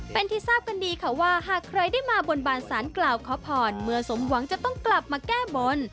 เป็นที่ทราบกันดีค่ะว่าหากใครได้มาบนบานสารกล่าวขอพรเมื่อสมหวังจะต้องกลับมาแก้บน